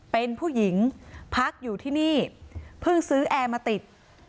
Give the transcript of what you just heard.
เป็นผู้หญิงพักอยู่ที่นี่เพิ่งซื้อแอร์มาติด